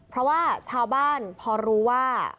เพราะว่าชาวบ้านพอรู้ว่า